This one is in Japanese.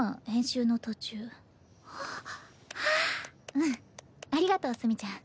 うんありがとう墨ちゃん。